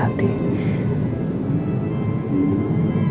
aku mau ke rumah